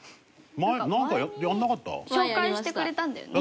前に紹介してくれたんだよね？